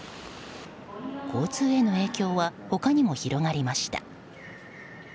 交通への影響は他にも広がりました。